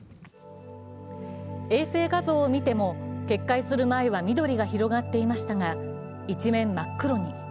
衛星画像を見ても決壊する前は緑が広がっていましたが一面、真っ黒に。